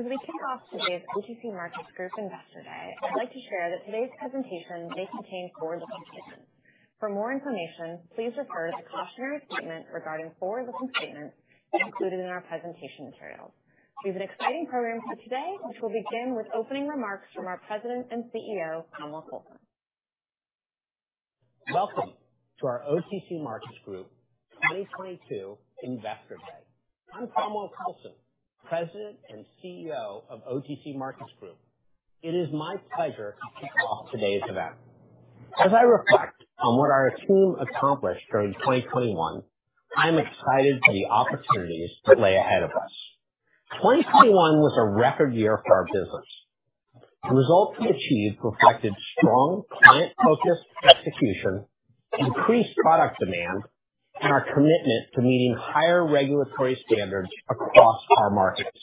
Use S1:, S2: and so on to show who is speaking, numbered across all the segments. S1: As we kick off today's OTC Markets Group Investor Day, I'd like to share that today's presentation may contain forward-looking statements. For more information, please refer to the cautionary statement regarding forward-looking statements included in our presentation materials. We have an exciting program for today, which will begin with opening remarks from our President and CEO, Cromwell Coulson.
S2: Welcome to our OTC Markets Group 2022 Investor Day. I'm R. Cromwell Coulson, President and CEO of OTC Markets Group. It is my pleasure to kick off today's event. As I reflect on what our team accomplished during 2021, I'm excited for the opportunities that lay ahead of us. 2021 was a record year for our business. The results we achieved reflected strong client-focused execution, increased product demand, and our commitment to meeting higher regulatory standards across our markets.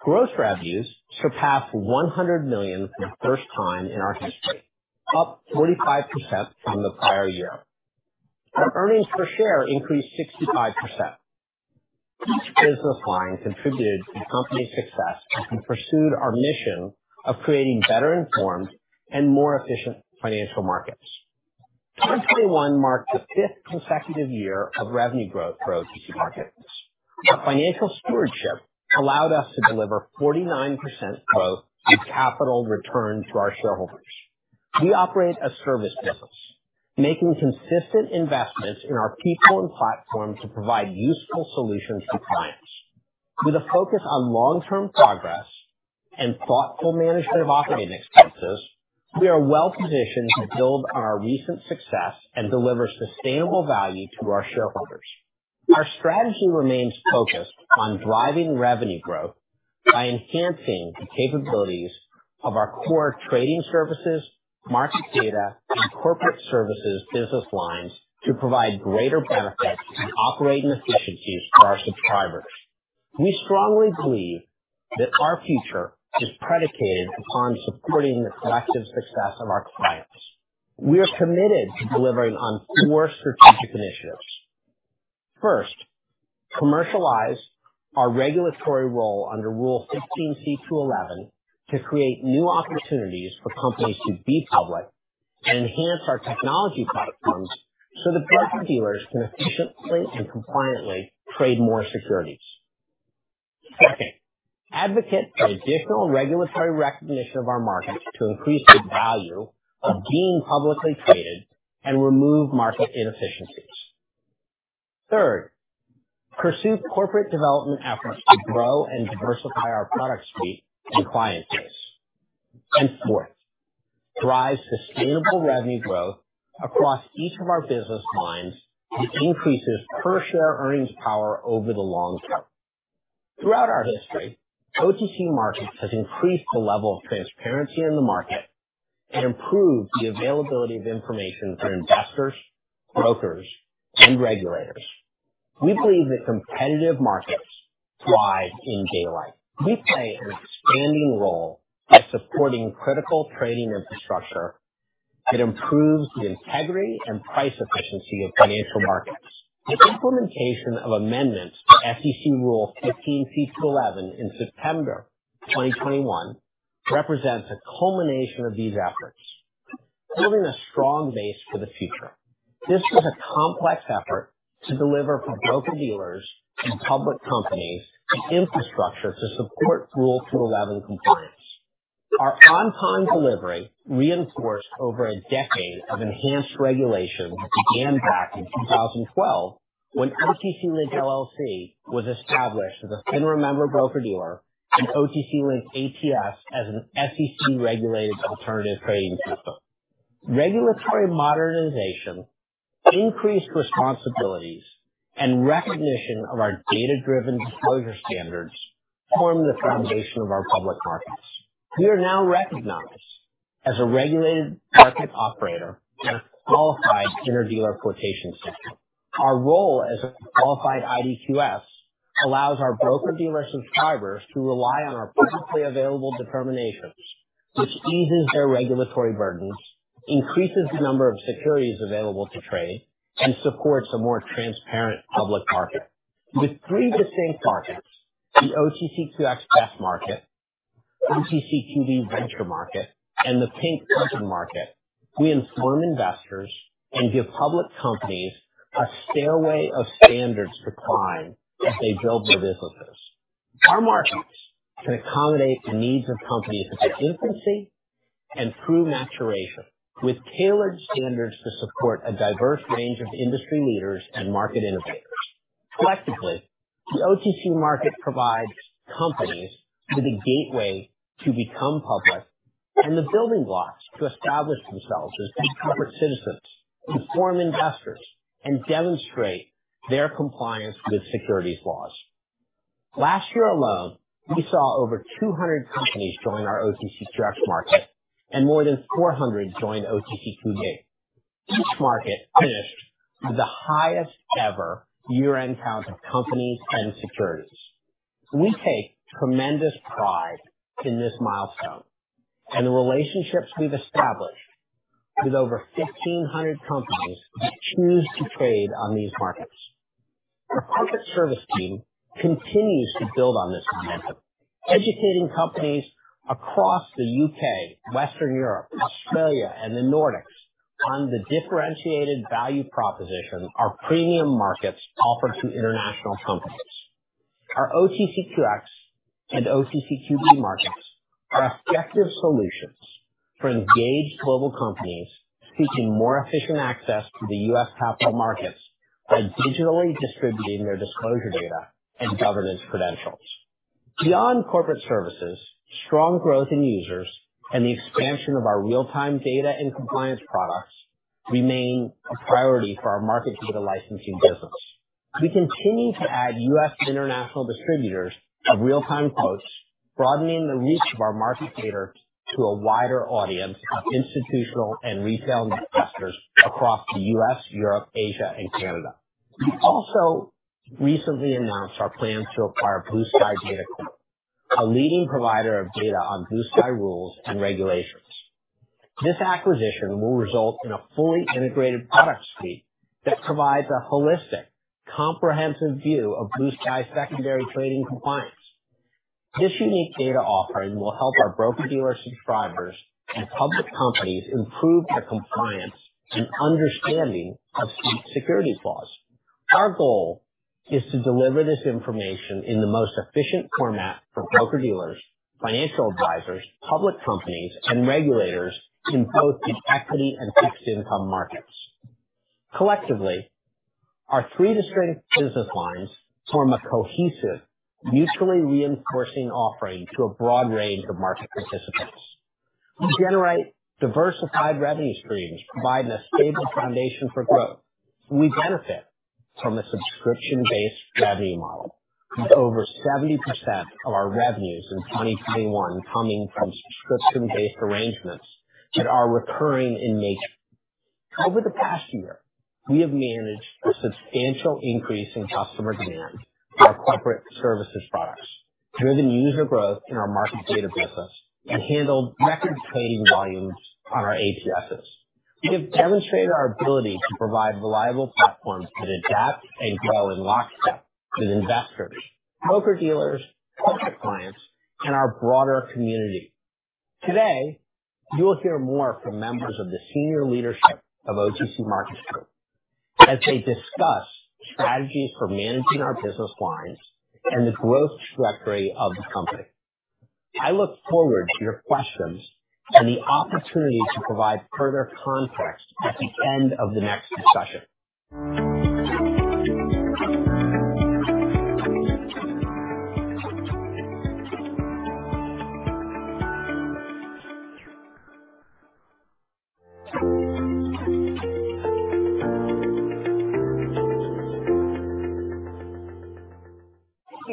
S2: Gross revenues surpassed $100 million for the first time in our history, up 45% from the prior year. Our earnings per share increased 65%. Each business line contributed to the company's success as we pursued our mission of creating better informed and more efficient financial markets. 2021 marked the fifth consecutive year of revenue growth for OTC Markets. Our financial stewardship allowed us to deliver 49% growth in capital return to our shareholders. We operate a service business, making consistent investments in our people and platform to provide useful solutions to clients. With a focus on long-term progress and thoughtful management of operating expenses, we are well-positioned to build on our recent success and deliver sustainable value to our shareholders. Our strategy remains focused on driving revenue growth by enhancing the capabilities of our core trading services, market data, and corporate services business lines to provide greater benefits and operating efficiencies for our subscribers. We strongly believe that our future is predicated upon supporting the collective success of our clients. We are committed to delivering on four strategic initiatives. First, commercialize our regulatory role under Rule 15c2-11 to create new opportunities for companies to be public and enhance our technology platforms so that broker-dealers can efficiently and compliantly trade more securities. Second, advocate for additional regulatory recognition of our markets to increase the value of being publicly traded and remove market inefficiencies. Third, pursue corporate development efforts to grow and diversify our product suite and client base. Fourth, drive sustainable revenue growth across each of our business lines, which increases per-share earnings power over the long term. Throughout our history, OTC Markets has increased the level of transparency in the market and improved the availability of information for investors, brokers, and regulators. We believe that competitive markets thrive in daylight. We play an expanding role in supporting critical trading infrastructure that improves the integrity and price efficiency of financial markets. The implementation of amendments to SEC Rule 15c2-11 in September 2021 represents a culmination of these efforts, building a strong base for the future. This was a complex effort to deliver for broker-dealers and public companies the infrastructure to support Rule 15c2-11 compliance. Our on-time delivery reinforced over a decade of enhanced regulation that began back in 2012, when OTC Link LLC was established as a FINRA member broker-dealer and OTC Link ATS as an SEC-regulated alternative trading system. Regulatory modernization, increased responsibilities, and recognition of our data-driven disclosure standards form the foundation of our public markets. We are now recognized as a regulated market operator and a qualified interdealer quotation system. Our role as a qualified IDQS allows our broker-dealer subscribers to rely on our publicly available determinations, which eases their regulatory burdens, increases the number of securities available to trade, and supports a more transparent public market. With three distinct markets, the OTCQX Best Market, OTCQB Venture Market, and the Pink Current Market, we inform investors and give public companies a stairway of standards to climb as they build their businesses. Our markets can accommodate the needs of companies at their infancy and through maturation, with tailored standards to support a diverse range of industry leaders and market innovators. Collectively, the OTC Markets provides companies with a gateway to become public and the building blocks to establish themselves as public citizens, inform investors, and demonstrate their compliance with securities laws. Last year alone, we saw over 200 companies join our OTCQX market and more than 400 join OTCQB. Each market finished with the highest ever year-end count of companies and securities. We take tremendous pride in this milestone and the relationships we've established with over 1,500 companies that choose to trade on these markets. Our corporate service team continues to build on this momentum, educating companies across the U.K., Western Europe, Australia and the Nordics on the differentiated value proposition our premium markets offer to international companies. Our OTCQX and OTCQB markets are objective solutions for engaged global companies seeking more efficient access to the U.S. capital markets by digitally distributing their disclosure data and governance credentials. Beyond corporate services, strong growth in users and the expansion of our real-time data and compliance products remain a priority for our market data licensing business. We continue to add U.S. international distributors of real-time quotes, broadening the reach of our market data to a wider audience of institutional and retail investors across the U.S., Europe, Asia and Canada. We also recently announced our plans to acquire Blue Sky Data Corp, a leading provider of data on Blue Sky rules and regulations. This acquisition will result in a fully integrated product suite that provides a holistic, comprehensive view of Blue Sky secondary trading compliance. This unique data offering will help our broker-dealer subscribers and public companies improve their compliance and understanding of state securities laws. Our goal is to deliver this information in the most efficient format for broker-dealers, financial advisors, public companies and regulators in both equity and fixed income markets. Collectively, our three distinct business lines form a cohesive, mutually reinforcing offering to a broad range of market participants. We generate diversified revenue streams, providing a stable foundation for growth. We benefit from a subscription-based revenue model, with over 70% of our revenues in 2021 coming from subscription-based arrangements that are recurring in nature. Over the past year, we have managed a substantial increase in customer demand for our corporate services products, driven user growth in our market data business, and handled record trading volumes on our ATSs. We have demonstrated our ability to provide reliable platforms that adapt and grow in lockstep with investors, broker-dealers, corporate clients, and our broader community. Today, you will hear more from members of the senior leadership of OTC Markets Group as they discuss strategies for managing our business lines and the growth trajectory of the company. I look forward to your questions and the opportunity to provide further context at the end of the next discussion.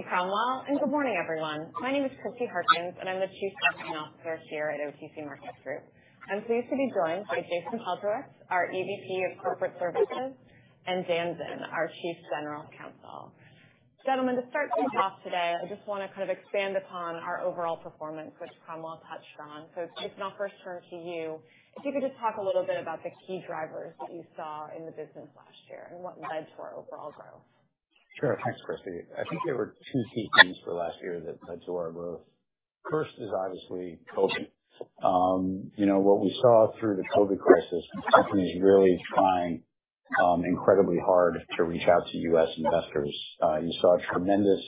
S1: Thank you, Cromwell, and good morning, everyone. My name is Kristie Harkins, and I'm the Chief Marketing Officer here at OTC Markets Group. I'm pleased to be joined by Jason Paltrowitz, our EVP of Corporate Services, and Dan Zinn, our General Counsel. Gentlemen, to start things off today, I just wanna kind of expand upon our overall performance, which Cromwell touched on. Jason, I'll first turn to you. If you could just talk a little bit about the key drivers that you saw in the business last year and what led to our overall growth.
S3: Sure. Thanks, Kristie. I think there were two key things for last year that led to our growth. First is obviously COVID. You know what we saw through the COVID crisis was companies really trying incredibly hard to reach out to U.S. investors. You saw a tremendous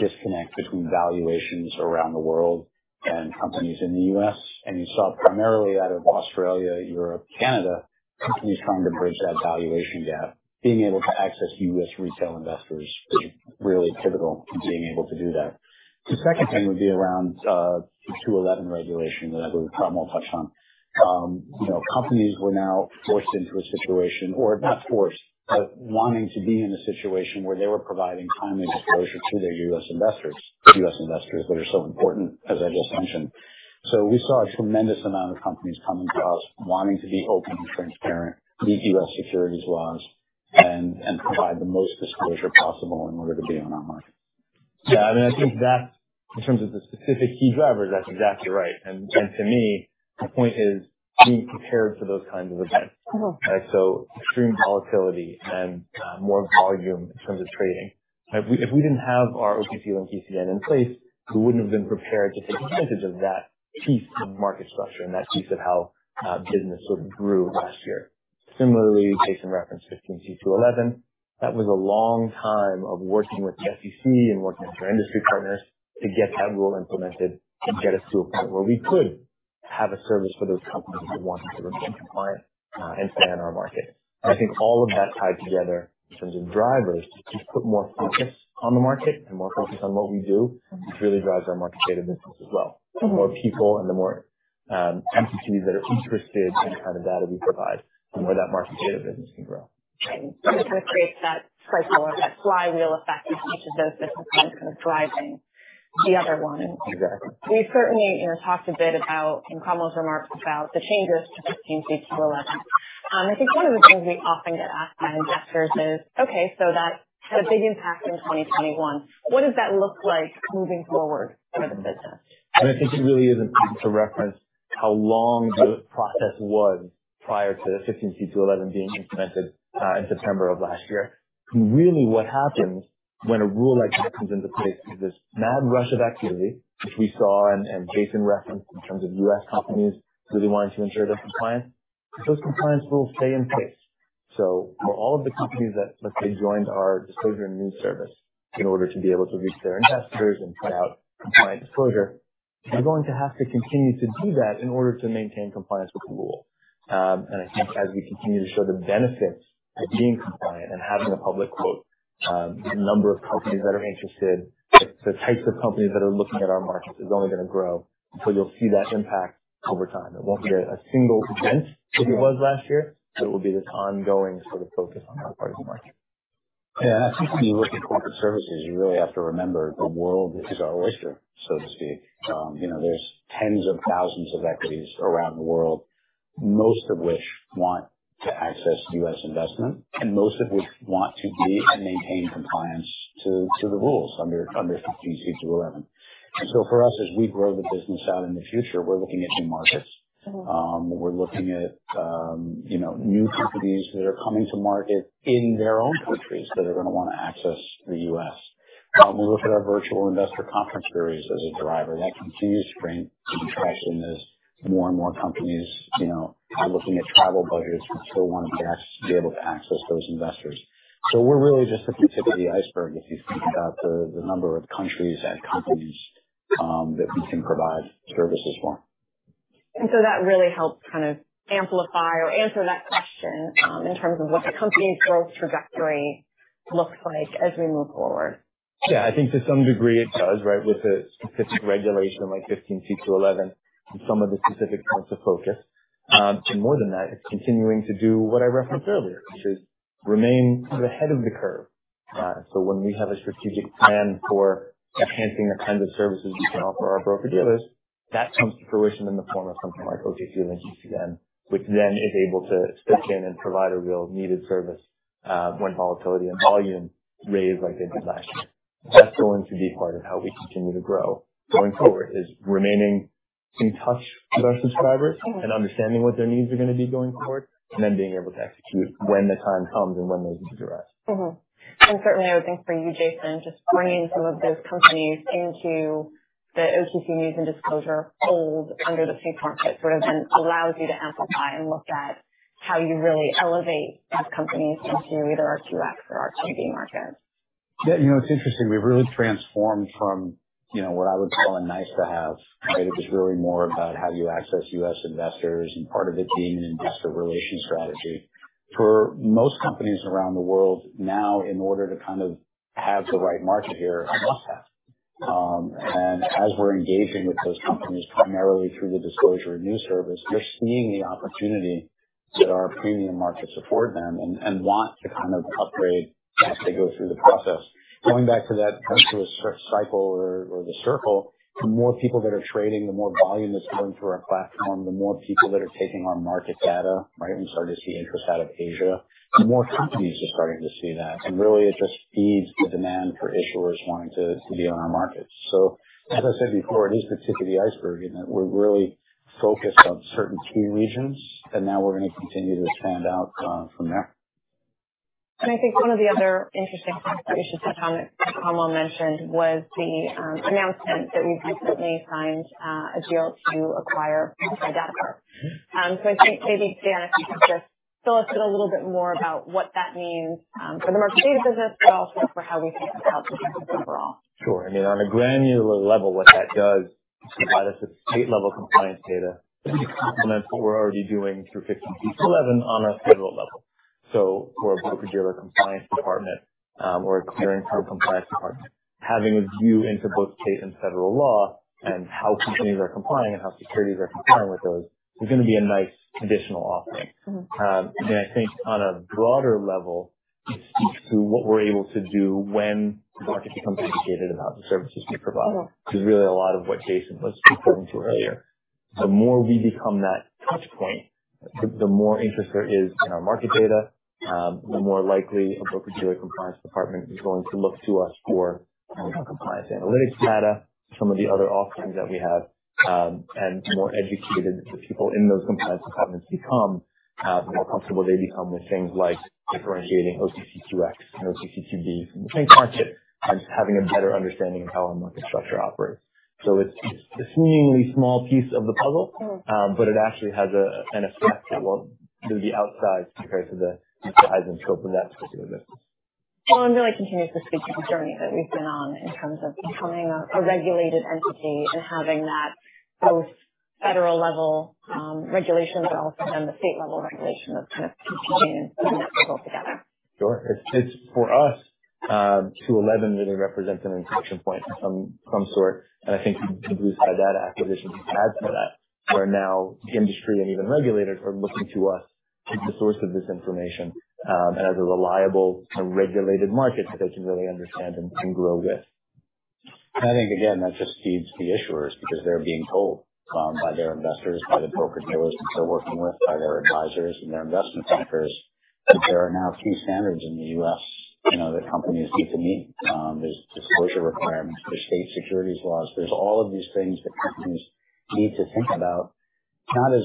S3: disconnect between valuations around the world and companies in the U.S. And you saw primarily out of Australia, Europe, Canada, companies trying to bridge that valuation gap. Being able to access U.S. retail investors was really pivotal in being able to do that. The second thing would be around Rule 15c2-11 that I believe Cromwell touched on. You know, companies were now forced into a situation or not forced, but wanting to be in a situation where they were providing timely disclosure to their U.S. investors. U.S. investors that are so important, as I just mentioned. We saw a tremendous amount of companies coming to us wanting to be open and transparent, meet U.S. securities laws and provide the most disclosure possible in order to be on our market.
S4: Yeah. I think that in terms of the specific key drivers, that's exactly right. To me, the point is being prepared for those kinds of events.
S1: Mm-hmm.
S4: Extreme volatility and more volume in terms of trading. If we didn't have our OTC Link ECN in place, we wouldn't have been prepared to take advantage of that piece of market structure and that piece of how business sort of grew last year. Similarly, Jason referenced Rule 15c2-11. That was a long time of working with the SEC and working with our industry partners to get that rule implemented, to get us to a point where we could have a service for those companies that wanted to remain compliant and stay on our market. I think all of that tied together in terms of drivers, to just put more focus on the market and more focus on what we do, which really drives our market data business as well.
S1: Mm-hmm.
S4: The more people and entities that are interested in the kind of data we provide and where that market data business can grow.
S1: It kind of creates that cycle or that flywheel effect with each of those business lines kind of driving the other one.
S4: Exactly.
S1: We certainly, you know, talked a bit about in Cromwell's remarks about the changes to Rule 15c2-11. I think one of the things we often get asked by investors is, okay, so that had a big impact in 2021. What does that look like moving forward for the business?
S4: I think it really is important to reference how long the process was prior to Rule 15c2-11 being implemented in September of last year. Really, what happens when a rule like that comes into place is this mad rush of activity, which we saw and Jason referenced in terms of U.S. companies really wanting to ensure their compliance. Those compliance rules stay in place. For all of the companies that, let's say, joined our disclosure and news service in order to be able to reach their investors and put out compliant disclosure, they're going to have to continue to do that in order to maintain compliance with the rule. I think as we continue to show the benefits of being compliant and having a public quote, the number of companies that are interested, the types of companies that are looking at our markets is only gonna grow. You'll see that impact over time. It won't be a single event like it was last year, but it will be this ongoing sort of focus on our part of the market.
S3: Yeah. I think when you look at corporate services, you really have to remember the world is our oyster, so to speak. You know, there's tens of thousands of equities around the world, most of which want to access U.S. investment, and most of which want to be and maintain compliance to the rules under 15c2-11. For us, as we grow the business out in the future, we're looking at new markets. We're looking at, you know, new companies that are coming to market in their own countries that are gonna wanna access the U.S. We look at our Virtual Investor Conferences series as a driver. That continues to bring some traction as more and more companies, you know, are looking at travel budgets but still want to be able to access those investors. We're really just the tip of the iceberg if you think about the number of countries and companies that we can provide services for.
S1: That really helps kind of amplify or answer that question, in terms of what the company's growth trajectory looks like as we move forward.
S4: Yeah. I think to some degree it does, right? With a specific regulation like 15c2-11 and some of the specific points of focus. More than that, it's continuing to do what I referenced earlier, which is remain kind of ahead of the curve. When we have a strategic plan for enhancing the kinds of services we can offer our broker-dealers, that comes to fruition in the form of something like OTC Link ECN, which then is able to step in and provide a really needed service, when volatility and volume rose like they did last year. That's going to be part of how we continue to grow going forward, is remaining in touch with our subscribers and understanding what their needs are gonna be going forward, and then being able to execute when the time comes and when those needs arise.
S1: Certainly, I would think for you, Jason, just bringing some of those companies into the OTC news and disclosure fold under the C point that sort of then allows you to amplify and look at how you really elevate that company into either our OTCQX or our OTCQB markets.
S3: Yeah. You know, it's interesting. We've really transformed from, you know, what I would call a nice to have, right? It was really more about how you access U.S. investors and part of the team investor relations strategy. For most companies around the world now, in order to kind of have the right market here, a must-have. And as we're engaging with those companies primarily through the disclosure and news service, they're seeing the opportunity that our premium markets afford them and want to kind of upgrade as they go through the process. Going back to that kind of to a cycle or the circle, the more people that are trading, the more volume that's going through our platform, the more people that are taking our market data, right? We started to see interest out of Asia. The more companies are starting to see that, and really it just feeds the demand for issuers wanting to be on our markets. As I said before, it is the tip of the iceberg in that we're really focused on certain key regions, and now we're gonna continue to expand out from there.
S1: I think one of the other interesting points or issues that Cromwell mentioned was the announcement that we recently signed a deal to acquire Blue Sky Data Corp. I think maybe, Dan, if you could just tell us a little bit more about what that means for the market data business, but also for how we think it will help the business overall.
S4: Sure. I mean, on a granular level, what that does is provide us with state level compliance data. That's what we're already doing through Rule 15c2-11 on a federal level. For a broker-dealer compliance department or a clearing firm compliance department, having a view into both state and federal law and how companies are complying and how securities are complying with those is gonna be a nice additional offering. I think on a broader level, it speaks to what we're able to do when the market becomes educated about the services we provide. Which is really a lot of what Jason was referring to earlier. The more we become that touch point, the more interest there is in our market data, the more likely a broker-dealer compliance department is going to look to us for, you know, compliance analytics data, some of the other offerings that we have. The more educated the people in those compliance departments become, the more comfortable they become with things like differentiating OTCQX and OTCQB from the same concept and just having a better understanding of how our market structure operates. It's a seemingly small piece of the puzzle.
S1: Mm-hmm.
S4: It actually has an effect that will be outsize compared to the size and scope of that particular business.
S1: Well, really continues to speak to the journey that we've been on in terms of becoming a regulated entity and having that both federal level regulation, but also then the state level regulation that's kind of continuing to bring that all together.
S4: Sure. It's for us 15c2-11 really represents an inflection point of some sort. I think the Blue Sky Data acquisition adds to that, where now the industry and even regulators are looking to us as the source of this information, and as a reliable and regulated market that they can really understand and grow with.
S3: I think again, that just feeds the issuers because they're being told by their investors, by the broker-dealers that they're working with, by their advisors and their investment bankers, that there are now key standards in the U.S., you know, that companies need to meet. There's disclosure requirements. There's state securities laws. There's all of these things that companies need to think about, not as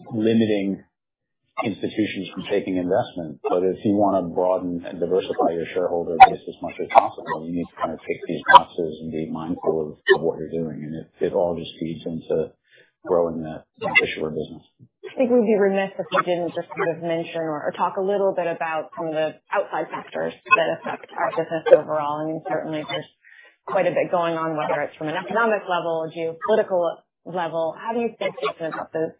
S3: necessarily limiting institutions from taking investment. If you wanna broaden and diversify your shareholder base as much as possible, you need to kind of check these boxes and be mindful of what you're doing. It all just feeds into growing the issuer business.
S1: I think we'd be remiss if we didn't just sort of mention or talk a little bit about some of the outside factors that affect our business overall. I mean, certainly there's quite a bit going on, whether it's from an economic level, geopolitical level. How do you think about those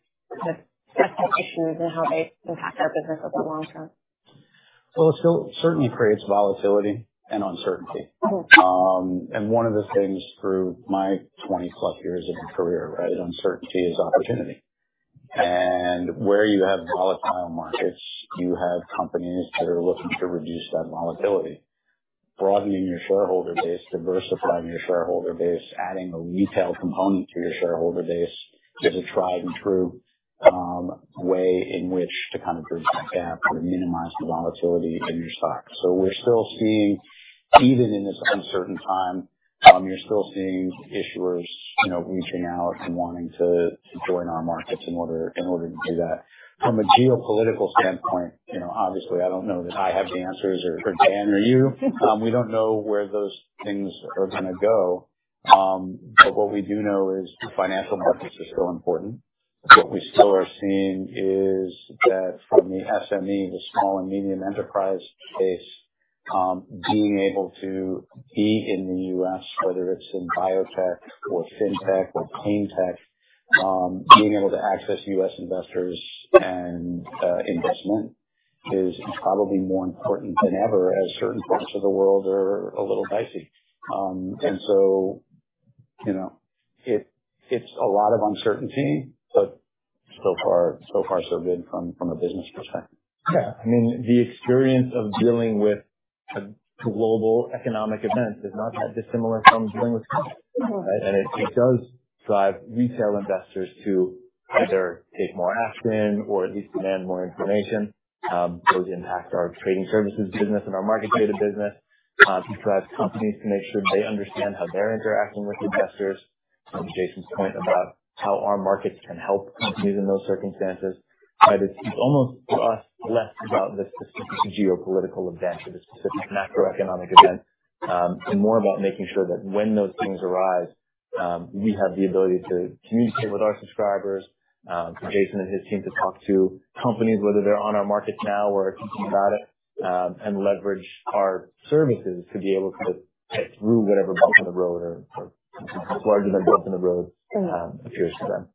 S1: kind of outside issues and how they impact our business over the long term?
S3: Well, it still certainly creates volatility and uncertainty.
S1: Mm-hmm.
S3: One of the things through my 20+ years in the career, right, is uncertainty is opportunity. Where you have volatile markets, you have companies that are looking to reduce that volatility. Broadening your shareholder base, diversifying your shareholder base, adding a retail component to your shareholder base is a tried and true way in which to kind of bridge that gap or minimize the volatility in your stock. We're still seeing even in this uncertain time, you're still seeing issuers, you know, reaching out and wanting to join our markets in order to do that. From a geopolitical standpoint, you know, obviously, I don't know that I have the answers or Dan or you. We don't know where those things are gonna go. What we do know is the financial markets are still important. What we still are seeing is that from the SME, the small and medium enterprise base, being able to be in the U.S., whether it's in biotech or fintech or clean tech, being able to access U.S. investors and investment is probably more important than ever as certain parts of the world are a little dicey. You know, it's a lot of uncertainty, but so far, so good from a business perspective.
S4: Yeah. I mean, the experience of dealing with a global economic event is not that dissimilar from dealing with COVID.
S1: Mm-hmm.
S4: It does drive retail investors to either take more action or at least demand more information. Those impact our trading services business and our market data business to drive companies to make sure they understand how they're interacting with investors. Jason's point about how our markets can help companies in those circumstances. Right. It's almost to us less about the specific geopolitical event or the specific macroeconomic event and more about making sure that when those things arise, we have the ability to communicate with our subscribers, for Jason and his team to talk to companies, whether they're on our markets now or thinking about it, and leverage our services to be able to get through whatever bump in the road or larger than bumps in the road appears to them.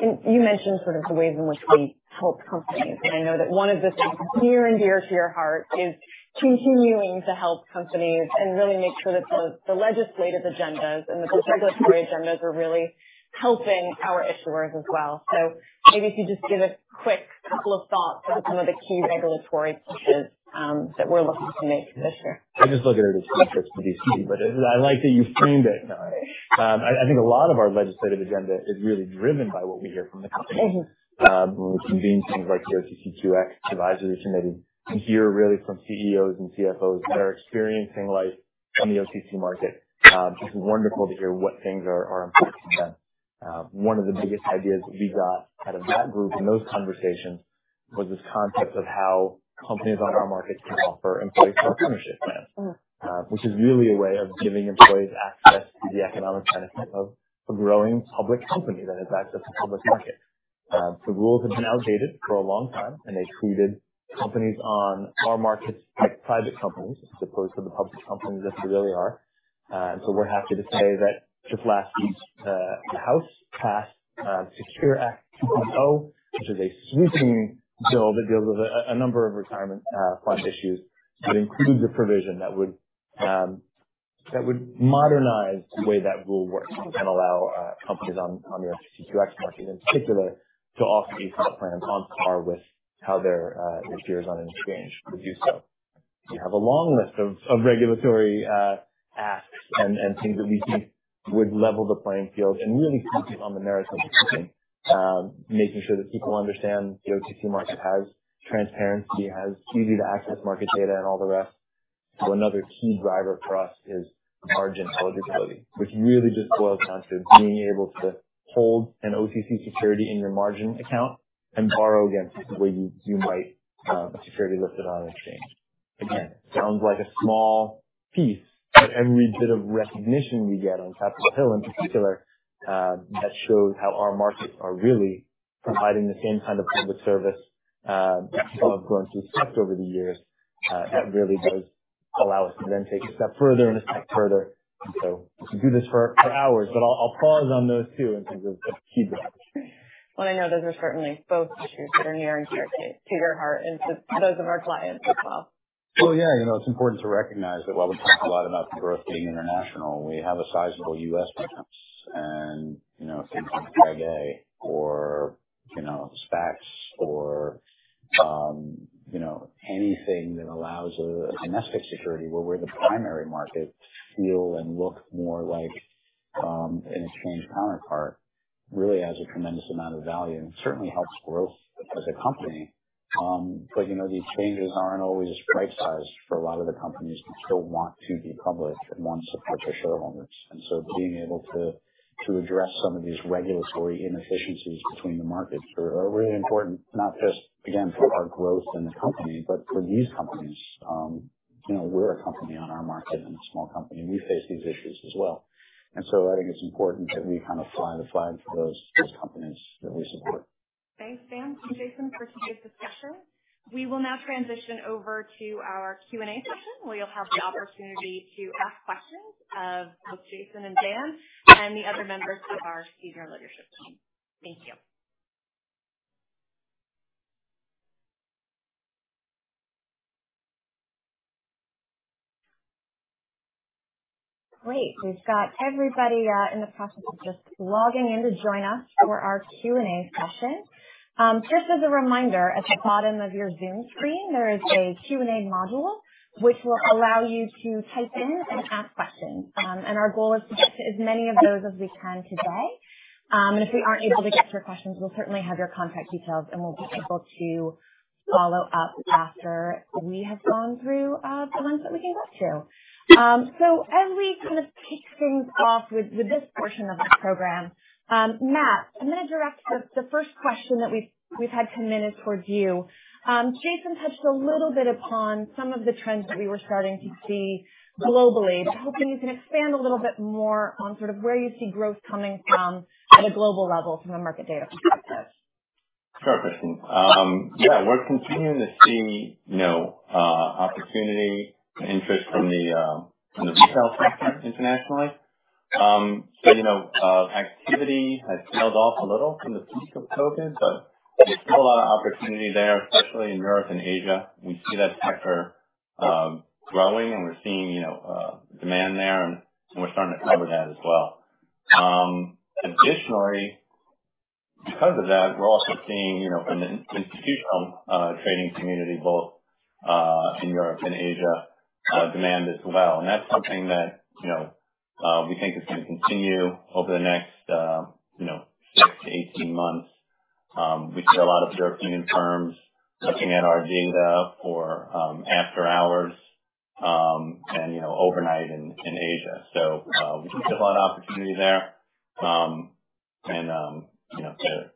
S1: You mentioned sort of the ways in which we help companies, and I know that one of the things near and dear to your heart is continuing to help companies and really make sure that the legislative agendas and the regulatory agendas are really helping our issuers as well. Maybe if you just give a quick couple of thoughts on some of the key regulatory pushes that we're looking to make this year.
S4: I just look at it as metrics to D.C., but I like that you framed it that way. I think a lot of our legislative agenda is really driven by what we hear from the companies.
S1: Mm-hmm.
S4: When we convene things like the OTCQX Advisory Council to hear really from CEOs and CFOs that are experiencing life on the OTC market, just wonderful to hear what things are important to them. One of the biggest ideas we got out of that group in those conversations was this concept of how companies on our markets can offer employee stock ownership plans.
S1: Mm-hmm.
S4: Which is really a way of giving employees access to the economic benefit of a growing public company that has access to public markets. The rules have been outdated for a long time, and they treated companies on our markets like private companies as opposed to the public companies that they really are. We're happy to say that just last week, the House passed SECURE Act 2.0, which is a sweeping bill that deals with a number of retirement plan issues that includes a provision that would modernize the way that rule works and allow companies on their OTCQX markets in particular to offer these plans on par with how their peers on an exchange would do so. We have a long list of regulatory asks and things that we think would level the playing field and really focus on the narrative we're pushing. Making sure that people understand the OTC market has transparency, it has easy to access market data and all the rest. Another key driver for us is margin eligibility, which really just boils down to being able to hold an OTC security in your margin account and borrow against it the way you might a security listed on an exchange. Again, sounds like a small piece, but every bit of recognition we get on Capitol Hill in particular, that shows how our markets are really providing the same kind of public service that people have grown to expect over the years. That really does allow us to then take a step further and a step further. We could do this for hours, but I'll pause on those two in terms of key drivers.
S1: Well, I know those are certainly both issues that are near and dear to your heart and to those of our clients as well.
S3: Well, yeah. You know, it's important to recognize that while we talk a lot about growth being international, we have a sizable U.S. business. You know, things like Reg A or, you know, SPACs or, you know, anything that allows a domestic security where we're the primary market feel and look more like an exchange counterpart really adds a tremendous amount of value, and it certainly helps growth as a company. You know, these changes aren't always priced out for a lot of the companies that still want to be public and want support their shareholders. Being able to address some of these regulatory inefficiencies between the markets are really important, not just again, for our growth in the company, but for these companies. You know, we're a company on our market and a small company, and we face these issues as well. I think it's important that we kind of fly the flag for those companies that we support.
S1: Thanks, Dan and Jason, for today's discussion. We will now transition over to our Q&A session, where you'll have the opportunity to ask questions of both Jason and Dan and the other members of our senior leadership team. Thank you. Great. We've got everybody in the process of just logging in to join us for our Q&A session. Just as a reminder, at the bottom of your Zoom screen, there is a Q&A module which will allow you to type in and ask questions. Our goal is to get to as many of those as we can today. If we aren't able to get to your questions, we'll certainly have your contact details, and we'll be able to follow up after we have gone through the ones that we can get to. As we kind of kick things off with this portion of the program, Matt, I'm gonna direct the first question that we've had come in is towards you. Jason touched a little bit upon some of the trends that we were starting to see globally. I was hoping you can expand a little bit more on sort of where you see growth coming from at a global level from a market data perspective.
S5: Sure, Kristie. Yeah, we're continuing to see, you know, opportunity and interest from the retail sector internationally. Activity has trailed off a little from the peak of COVID, but there's still a lot of opportunity there, especially in Europe and Asia. We see that sector growing, and we're seeing, you know, demand there, and we're starting to cover that as well. Additionally, because of that, we're also seeing, you know, from an institutional trading community, both in Europe and Asia, demand as well. That's something that, you know, we think is gonna continue over the next, you know, 6-18 months. We see a lot of European firms looking at our data for after hours and, you know, overnight in Asia. We see a lot of opportunity there, and you know, to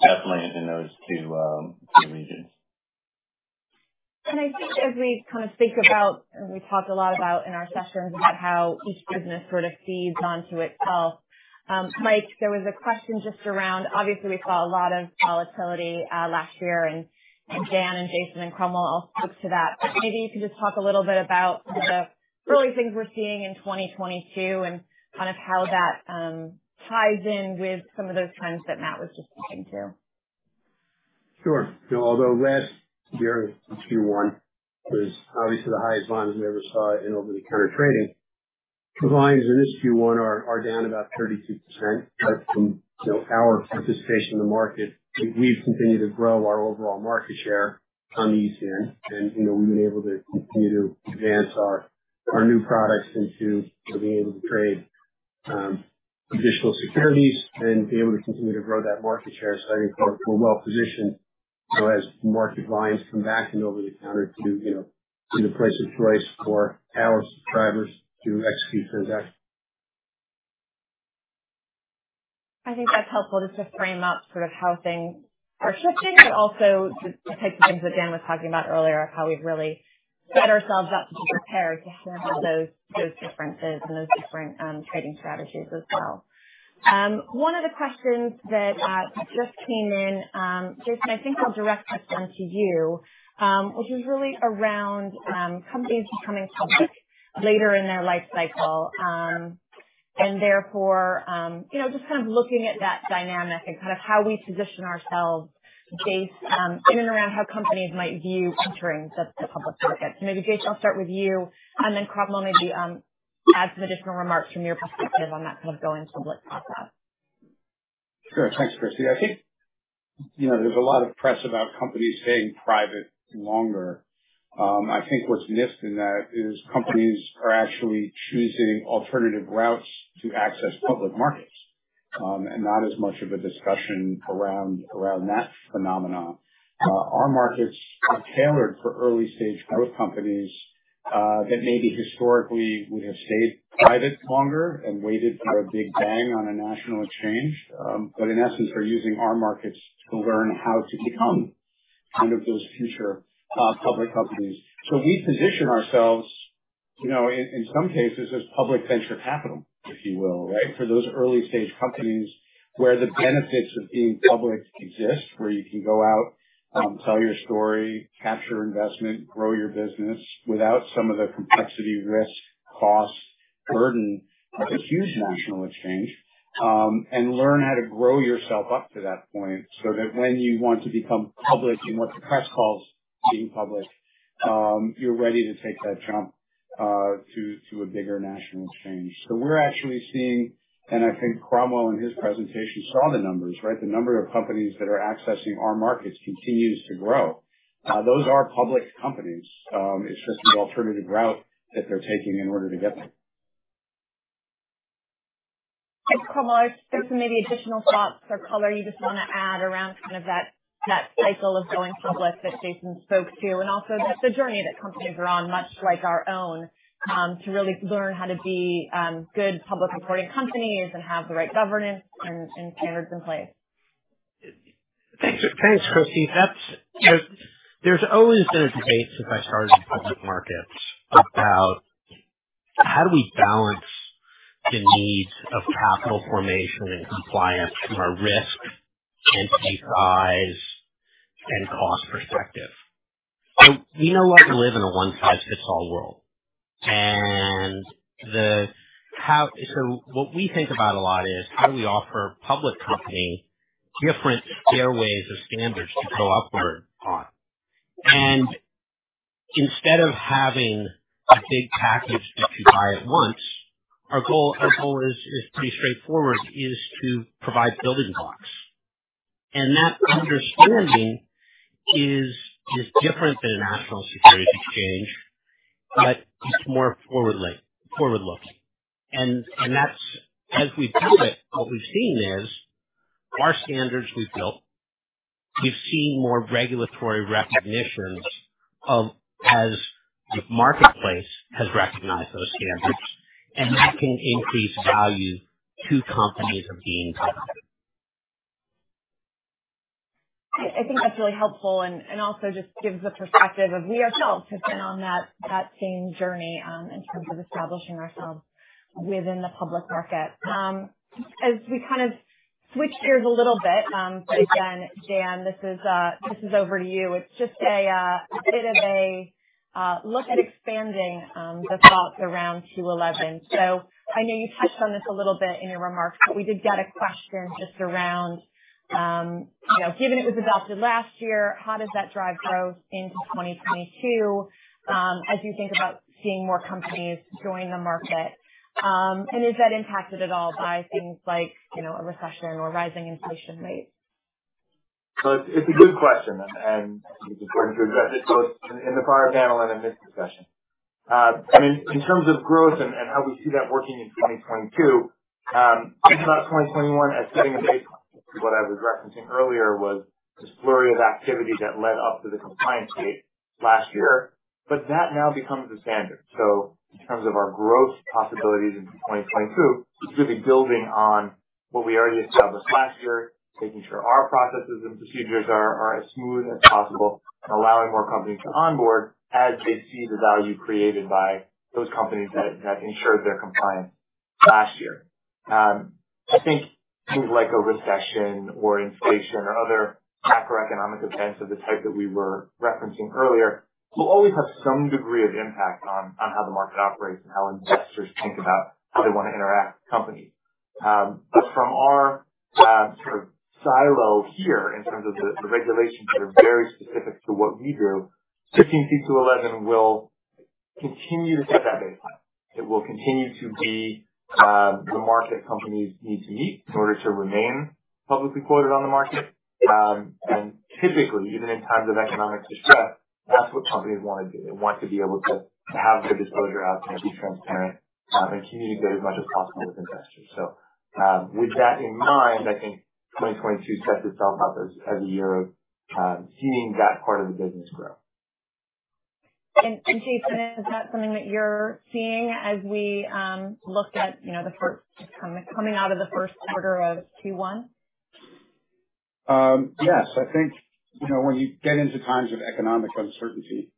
S5: definitely in those two regions.
S1: I think as we kind of think about, and we talked a lot about in our sessions about how each business sort of feeds onto itself. Mike, there was a question just around obviously we saw a lot of volatility last year and Dan and Jason and Cromwell all spoke to that. Maybe you could just talk a little bit about the early things we're seeing in 2022 and kind of how that ties in with some of those trends that Matt was just speaking to.
S6: Sure. You know, although last year in Q1 was obviously the highest volumes we ever saw in over-the-counter trading. Volumes in this Q1 are down about 32%. From you know, our participation in the market, we've continued to grow our overall market share on the ECN. You know, we've been able to continue to advance our new products into you know, being able to trade additional securities and be able to continue to grow that market share. I think we're well positioned you know, as market volumes come back in over-the-counter to you know, be the place of choice for our subscribers to execute transactions.
S1: I think that's helpful just to frame up sort of how things are shifting, but also the type of things that Dan was talking about earlier of how we've really set ourselves up to be prepared to handle those differences and those different trading strategies as well. One of the questions that just came in, Jason, I think I'll direct this one to you, which is really around companies becoming public later in their life cycle. Therefore, you know, just kind of looking at that dynamic and kind of how we position ourselves based in and around how companies might view entering the public markets. Maybe, Jason, I'll start with you and then Cromwell, maybe add some additional remarks from your perspective on that kind of going public process.
S3: Sure. Thanks, Kristie. I think, you know, there's a lot of press about companies staying private longer. I think what's missed in that is companies are actually choosing alternative routes to access public markets, and not as much of a discussion around that phenomenon. Our markets are tailored for early-stage growth companies, that maybe historically would have stayed private longer and waited for a big bang on a national exchange. But in essence, are using our markets to learn how to become kind of those future public companies. We position ourselves, you know, in some cases as public venture capital, if you will, right? For those early-stage companies where the benefits of being public exist, where you can go out, tell your story, capture investment, grow your business without some of the complexity, risk, costs, burden of a huge national exchange, and learn how to grow yourself up to that point so that when you want to become public in what the press calls being public, you're ready to take that jump to a bigger national exchange. We're actually seeing and I think Cromwell in his presentation saw the numbers, right? The number of companies that are accessing our markets continues to grow. Those are public companies. It's just an alternative route that they're taking in order to get there.
S1: Cromwell, are there some maybe additional thoughts or color you just wanna add around kind of that cycle of going public that Jason spoke to and also just the journey that companies are on, much like our own, to really learn how to be good public reporting companies and have the right governance and standards in place.
S2: Thanks. Thanks, Kristie. There's always been a debate since I started in public markets about how do we balance the needs of capital formation and compliance from a risk and size and cost perspective. We no longer live in a one-size-fits-all world. What we think about a lot is how do we offer public company different stairways of standards to go upward on. Instead of having a big package to buy at once, our goal is pretty straightforward, to provide building blocks. That understanding is different than a national securities exchange, but it's more forward-looking. That's as we've built it, what we've seen is our standards we've built, more regulatory recognitions as the marketplace has recognized those standards, and that can increase value to companies being public.
S1: I think that's really helpful and also just gives the perspective of we ourselves have been on that same journey in terms of establishing ourselves within the public market. As we kind of switch gears a little bit, but again, Dan, this is over to you. It's just a bit of a look at expanding the thoughts around 15c2-11. So I know you touched on this a little bit in your remarks, but we did get a question just around, you know, given it was adopted last year, how does that drive growth into 2022 as you think about seeing more companies join the market? Is that impacted at all by things like, you know, a recession or rising inflation rates?
S4: It's a good question, and I think it's important to address it both in the prior panel and in this discussion. I mean in terms of growth and how we see that working in 2022, we thought 2021 as setting a baseline. What I was referencing earlier was this flurry of activity that led up to the compliance date last year, but that now becomes the standard. In terms of our growth possibilities into 2022, it's gonna be building on what we already established last year, making sure our processes and procedures are as smooth as possible and allowing more companies to onboard as they see the value created by those companies that ensured their compliance last year. I think things like a recession or inflation or other macroeconomic events of the type that we were referencing earlier will always have some degree of impact on how the market operates and how investors think about how they wanna interact with companies. From our sort of silo here in terms of the regulations that are very specific to what we do, Rule 15c2-11 will continue to set that baseline. It will continue to be the market companies need to meet in order to remain publicly quoted on the market. Typically, even in times of economic distress, that's what companies wanna do. They want to be able to have good disclosure, ultimately be transparent, and communicate as much as possible with investors. With that in mind, I think 2022 sets itself up as a year of seeing that part of the business grow.
S1: Jason, is that something that you're seeing as we look at, you know, the first coming out of the first quarter of Q1?
S3: Yes. I think, you know, when you get into times of economic uncertainty,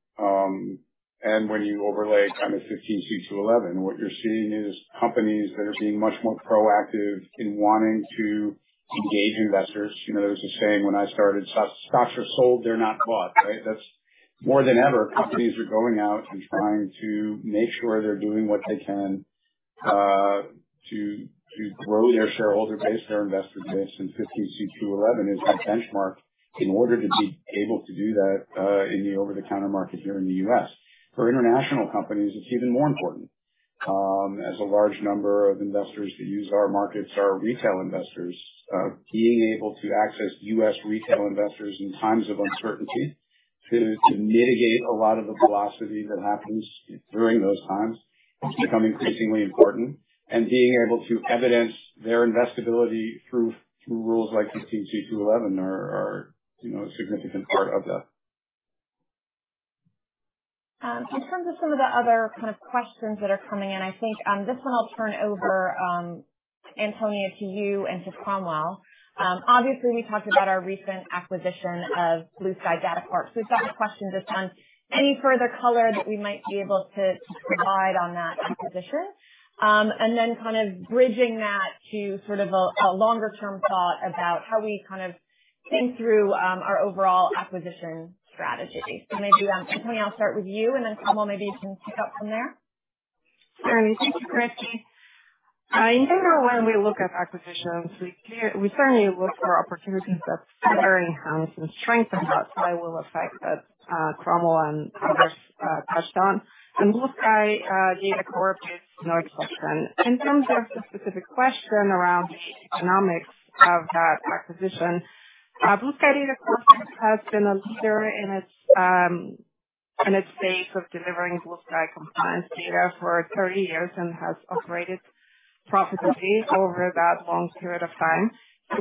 S3: and when you overlay kind of Rule 15c2-11, what you're seeing is companies that are being much more proactive in wanting to engage investors. You know, there's a saying when I started, "Stocks are sold, they're not bought." Right? That's more than ever, companies are going out and trying to make sure they're doing what they can, to grow their shareholder base, their investor base. Rule 15c2-11 is that benchmark in order to be able to do that, in the over-the-counter market here in the U.S. For international companies, it's even more important. As a large number of investors that use our markets are retail investors. Being able to access U.S. retail investors in times of uncertainty to mitigate a lot of the velocity that happens during those times has become increasingly important. Being able to evidence their investability through rules like Rule 15c2-11 are, you know, a significant part of that.
S1: In terms of some of the other kind of questions that are coming in, I think, this one I'll turn over, Antonia to you and to Cromwell. Obviously we talked about our recent acquisition of Blue Sky Data Corp. We've got a question just on any further color that we might be able to provide on that acquisition. Kind of bridging that to sort of a longer term thought about how we kind of think through, our overall acquisition strategy. Maybe, Antonia, I'll start with you and then, Cromwell, maybe you can pick up from there.
S7: Thank you, Kristie. In general, when we look at acquisitions, we certainly look for opportunities that further enhance and strengthen what Cromwell and others touched on. Blue Sky Data Corp is no exception. In terms of the specific question around the economics of that acquisition, Blue Sky Data Corp has been a leader in its space of delivering Blue Sky compliance data for 30 years and has operated profitably over that long period of time.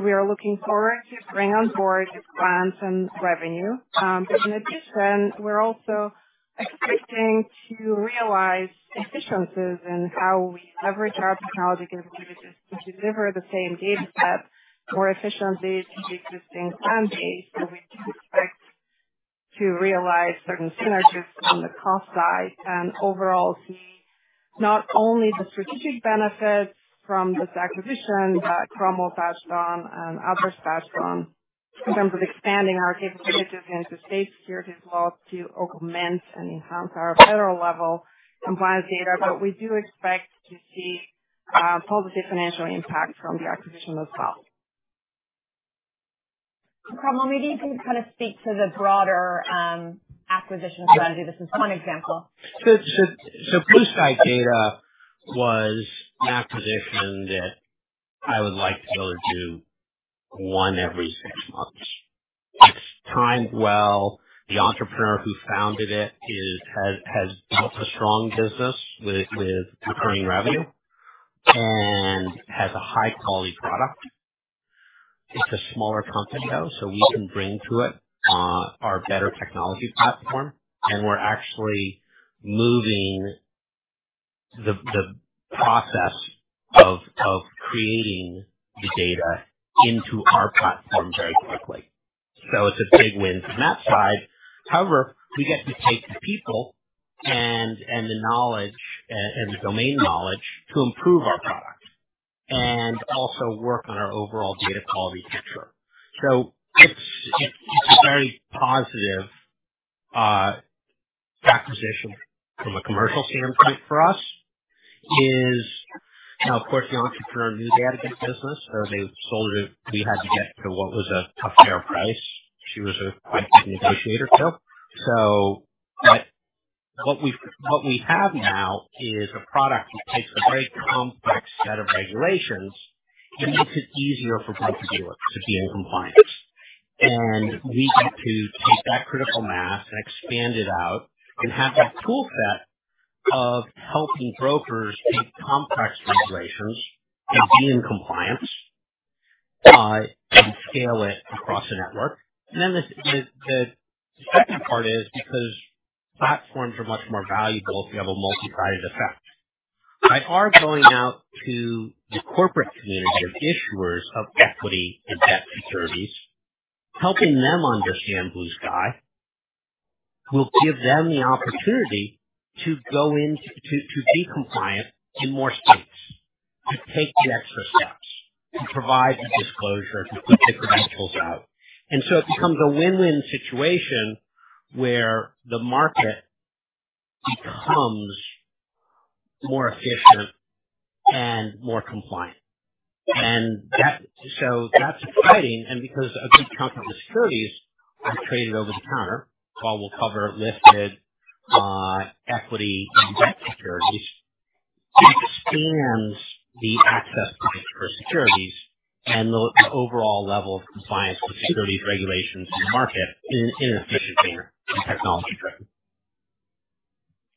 S7: We are looking forward to bring on board clients and revenue. In addition, we're also expecting to realize efficiencies in how we leverage our technology capabilities to deliver the same data set more efficiently to the existing client base. We expect to realize certain synergies on the cost side and overall see not only the strategic benefits from this acquisition that Cromwell touched on and others touched on in terms of expanding our capabilities into state securities laws to augment and enhance our federal level compliance data. We do expect to see positive financial impact from the acquisition as well.
S1: Cromwell, maybe you can kind of speak to the broader acquisition strategy. This is one example.
S2: Blue Sky Data was an acquisition that I would like to be able to do one every six months. It's timed well. The entrepreneur who founded it has built a strong business with recurring revenue and has a high quality product. It's a smaller company, though, so we can bring to it our better technology platform. We're actually moving the process of creating the data into our platform very quickly. It's a big win from that side. However, we get to take the people and the knowledge and the domain knowledge to improve our product and also work on our overall data quality picture. It's a very positive acquisition from a commercial standpoint for us. Now, of course, the entrepreneur knew they had a good business or they sold it. We had to get to what was a tough fair price. She was quite a good negotiator too. What we have now is a product that takes a very complex set of regulations and makes it easier for brokers to be in compliance. We get to take that critical mass and expand it out and have that tool set of helping brokers take complex regulations and be in compliance, and scale it across a network. Then the second part is because platforms are much more valuable if you have a multi-sided effect. By our going out to the corporate community of issuers of equity and debt securities, helping them understand Blue Sky will give them the opportunity to go into to be compliant in more states, to take the extra steps, to provide the disclosure, to put the credentials out. It becomes a win-win situation where the market becomes more efficient and more compliant. That's exciting. Because a big chunk of the securities are traded over the counter, while we'll cover listed equity and debt securities, it expands the access to those securities and the overall level of compliance with securities regulations in the market in an efficient manner and technology-driven.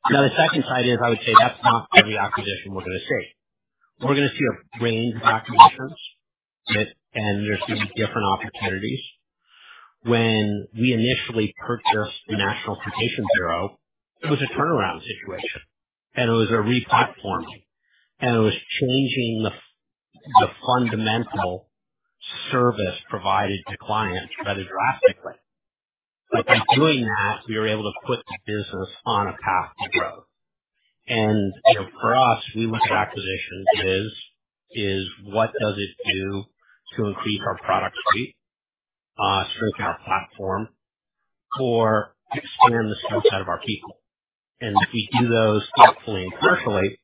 S2: Now, the second side is I would say that's not every acquisition we're gonna see. We're gonna see a range of acquisitions that there's going to be different opportunities. When we initially purchased the National Quotation Bureau, it was a turnaround situation, and it was a re-platforming, and it was changing the fundamental service provided to clients rather drastically. By doing that, we were able to put the business on a path to grow. you know, for us, we look at acquisitions is what does it do to increase our product suite, strengthen our platform or expand the skill set of our people. If we do those thoughtfully and carefully,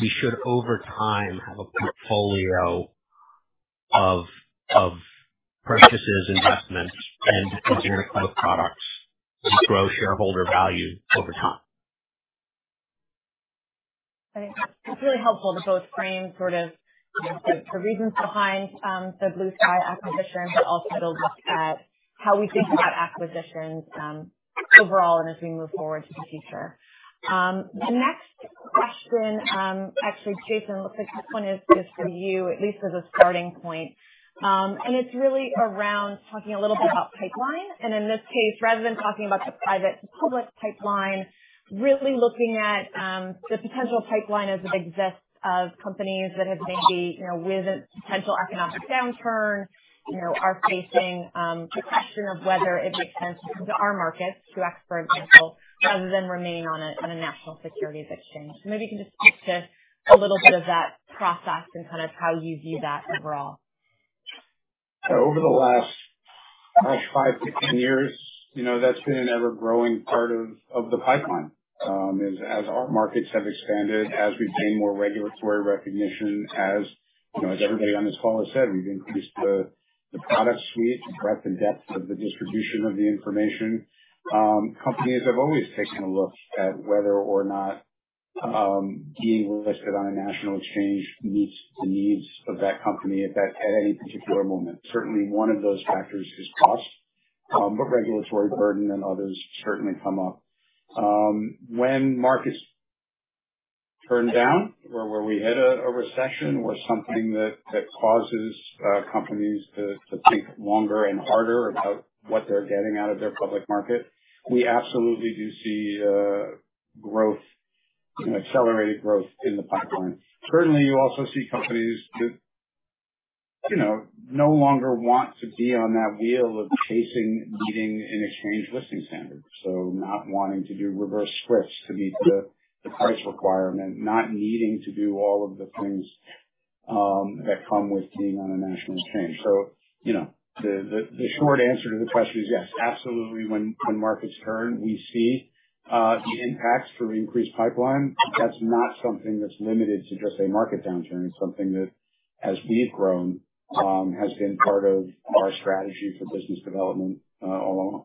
S2: we should over time have a portfolio of purchases, investments and engineering type products to grow shareholder value over time.
S1: I think that's really helpful to both frame sort of the reasons behind the Blue Sky acquisition, but also to look at how we think about acquisitions overall and as we move forward to the future. The next question, actually, Jason, looks like this one is just for you, at least as a starting point. It's really around talking a little bit about pipeline. In this case, rather than talking about the private to public pipeline, really looking at the potential pipeline as it exists of companies that have maybe, you know, with a potential economic downturn, you know, are facing the question of whether it makes sense to come to our markets, to OTCQX, for example, rather than remain on a national securities exchange. Maybe you can just talk to us a little bit of that process and kind of how you view that overall.
S3: Over the last 5-10 years, you know, that's been an ever-growing part of the pipeline. As our markets have expanded, as we gain more regulatory recognition, as everybody on this call has said, we've increased the product suite, the breadth and depth of the distribution of the information. Companies have always taken a look at whether or not being listed on a national exchange meets the needs of that company at any particular moment. Certainly one of those factors is cost, but regulatory burden and others certainly come up. When markets turn down or we hit a recession or something that causes companies to think longer and harder about what they're getting out of their public market, we absolutely do see growth and accelerated growth in the pipeline. Certainly you also see companies that, you know, no longer want to be on that wheel of chasing meeting an exchange listing standard. Not wanting to do reverse splits to meet the price requirement, not needing to do all of the things that come with being on a national exchange. You know, the short answer to the question is yes, absolutely, when markets turn, we see the impacts through increased pipeline. That's not something that's limited to just a market downturn. It's something that, as we've grown, has been part of our strategy for business development all along.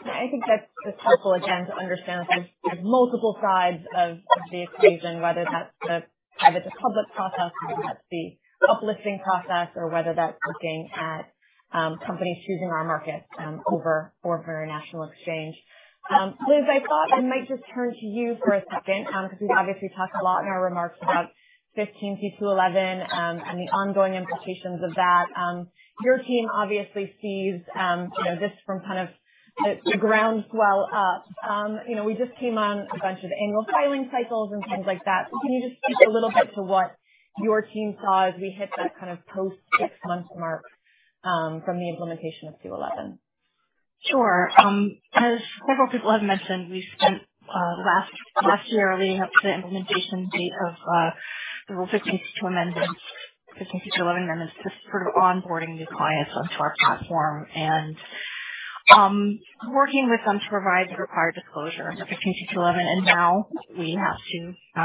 S1: I think that's just helpful again to understand there's multiple sides of the equation, whether that's the private to public process, whether that's the uplisting process or whether that's looking at companies choosing our markets over or for a national exchange. Liz, I thought I might just turn to you for a second because we've obviously talked a lot in our remarks about 15c2-11 and the ongoing implications of that. Your team obviously sees you know this from kind of the ground swell up. You know, we just came on a bunch of annual filing cycles and things like that. Can you just speak a little bit to what your team saw as we hit that kind of post six-month mark from the implementation of 15c2-11?
S8: Sure. As several people have mentioned, we spent the last year leading up to the implementation date of the Rule 15c2-11 amendments, just sort of onboarding new clients onto our platform and working with them to provide the required disclosure for 15c2-11. Now we have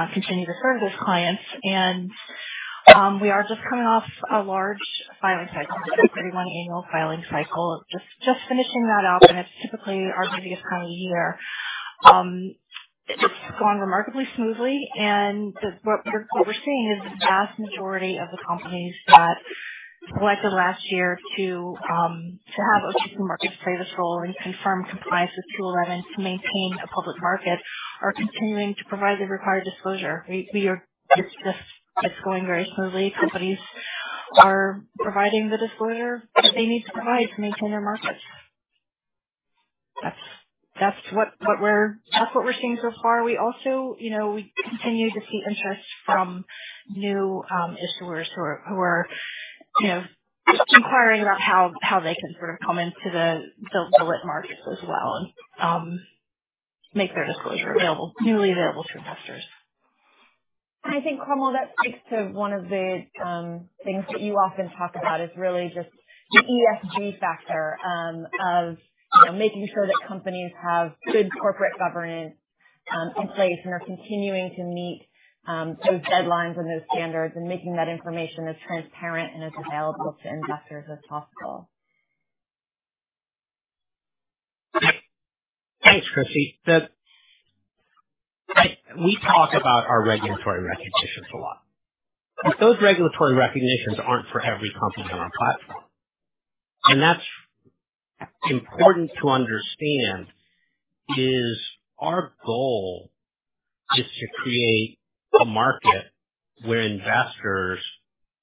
S8: to continue to serve those clients. We are just coming off a large filing cycle, 31 annual filing cycle. Just finishing that up. It's typically our busiest time of year. It's gone remarkably smoothly. What we're seeing is the vast majority of the companies that elected last year to have OTC Markets [trade us role] and confirm compliance with two eleven to maintain a public market are continuing to provide the required disclosure. It's just going very smoothly. Companies are providing the disclosure that they need to provide to maintain their markets. That's what we're seeing so far. We also, you know, we continue to see interest from new issuers who are you know inquiring about how they can sort of come into the lit markets as well and make their disclosure available, newly available to investors.
S1: I think, Cromwell, that speaks to one of the things that you often talk about is really just the ESG factor of you know making sure that companies have good corporate governance in place and are continuing to meet those deadlines and those standards and making that information as transparent and as available to investors as possible.
S2: Thanks, Kristie. We talk about our regulatory recognitions a lot. Those regulatory recognitions aren't for every company on our platform. That's important to understand. Our goal is to create a market where investors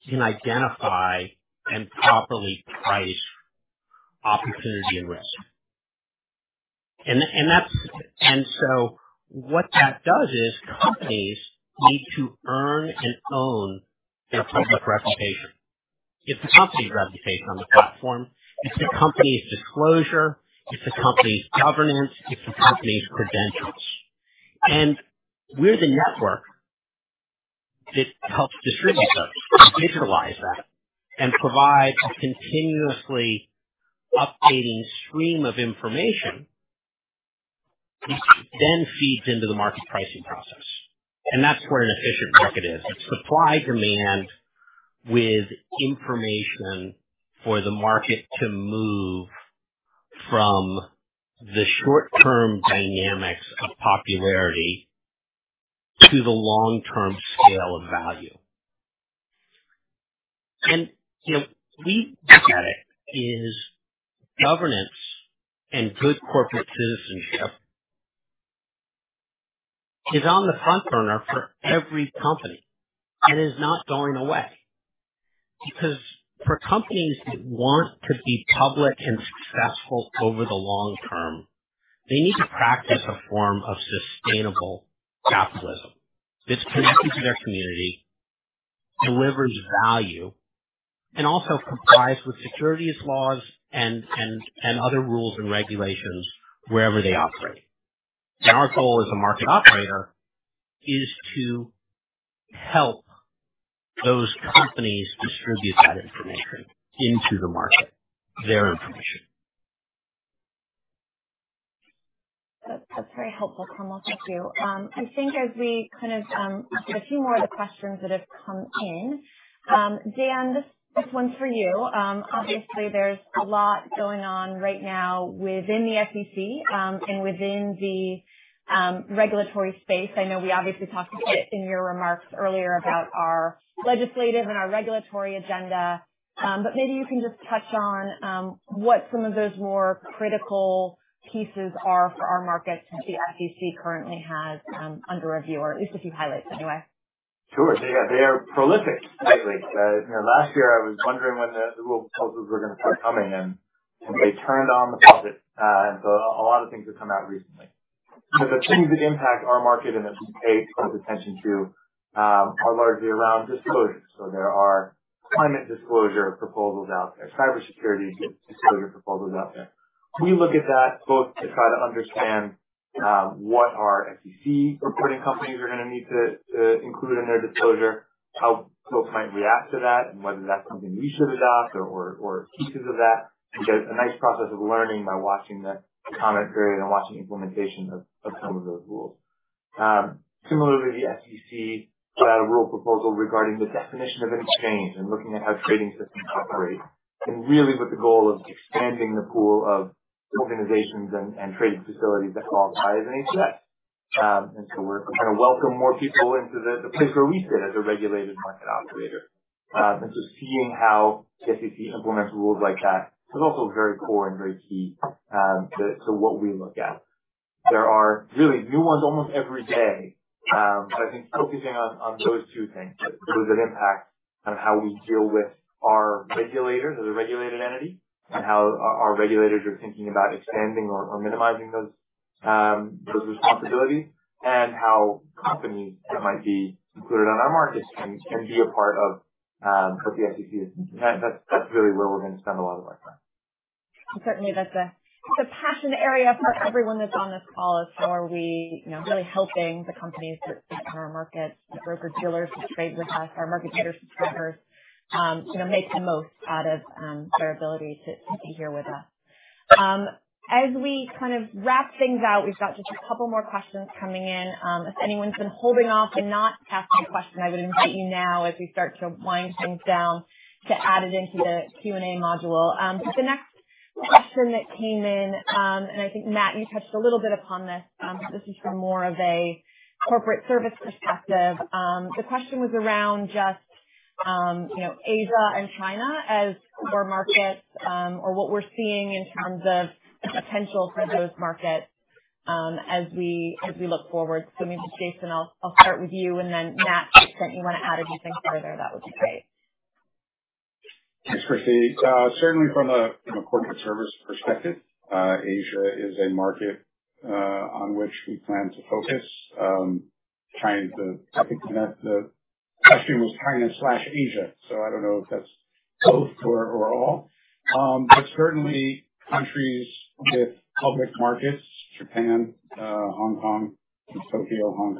S2: can identify and properly price opportunity and risk. What that does is companies need to earn and own their public reputation. It's the company's reputation on the platform. It's the company's disclosure, it's the company's governance, it's the company's credentials. We're the network that helps distribute those and digitalize that and provide a continuously updating stream of information which then feeds into the market pricing process. That's where an efficient market is. It's supply demand with information for the market to move from the short-term dynamics of popularity to the long-term scale of value. You know, we get it. ESG governance and good corporate citizenship is on the front burner for every company and is not going away. Because for companies that want to be public and successful over the long term, they need to practice a form of sustainable capitalism that's connected to their community, delivers value, and also complies with securities laws and other rules and regulations wherever they operate. Our goal as a market operator is to help those companies distribute that information into the market, their information.
S1: That's very helpful, Cromwell. Thank you. I think as we kind of, there's a few more of the questions that have come in. Dan, this one's for you. Obviously there's a lot going on right now within the SEC, and within the regulatory space. I know we obviously talked a bit in your remarks earlier about our legislative and our regulatory agenda. Maybe you can just touch on what some of those more critical pieces are for our markets that the SEC currently has under review, or at least a few highlights anyway.
S4: Sure. They are prolific lately. You know, last year I was wondering when the rule proposals were gonna start coming, and they turned on the faucet. A lot of things have come out recently. The things that impact our market, and that we pay close attention to, are largely around disclosures. There are climate disclosure proposals out there, cybersecurity disclosure proposals out there. We look at that both to try to understand what our SEC reporting companies are gonna need to include in their disclosure, how folks might react to that, and whether that's something we should adopt or pieces of that. It's a nice process of learning by watching the comment period and watching implementation of some of those rules. Similarly, the SEC put out a rule proposal regarding the definition of exchange and looking at how trading systems operate, really with the goal of expanding the pool of organizations and trading facilities that qualify as an ATS. We're trying to welcome more people into the place where we sit as a regulated market operator. Seeing how the SEC implements rules like that is also very core and very key to what we look at. There are really new ones almost every day. I think focusing on those two things that impact kind of how we deal with our regulators as a regulated entity and how our regulators are thinking about expanding or minimizing those responsibilities and how companies that might be included on our markets can be a part of what the SEC is doing. That's really where we're gonna spend a lot of our time.
S1: Certainly that's a passion area for everyone that's on this call is how are we, you know, really helping the companies that are in our market, the broker-dealers who trade with us, our market data subscribers, you know, make the most out of their ability to be here with us. As we kind of wrap things out, we've got just a couple more questions coming in. If anyone's been holding off and not asking a question, I would invite you now as we start to wind things down, to add it into the Q&A module. The next question that came in, and I think, Matt, you touched a little bit upon this. This is from more of a corporate service perspective. The question was around just, you know, Asia and China as core markets, or what we're seeing in terms of the potential for those markets, as we look forward. Maybe, Jason, I'll start with you, and then Matt, if you want to add anything further, that would be great.
S3: Thanks, Kristie. Certainly from a corporate service perspective, Asia is a market on which we plan to focus. China, I think the question was China/Asia, so I don't know if that's both or all. Certainly countries with public markets, Japan, Hong Kong, Tokyo, Hong